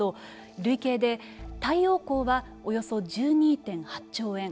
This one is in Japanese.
累計で太陽光はおよそ１２．８兆円